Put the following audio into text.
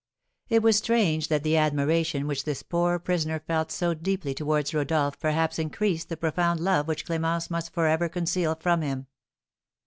It was strange that the admiration which this poor prisoner felt so deeply towards Rodolph perhaps increased the profound love which Clémence must for ever conceal from him.